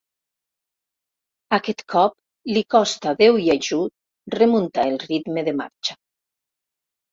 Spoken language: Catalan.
Aquest cop li costà Déu i ajut remuntar el ritme de marxa.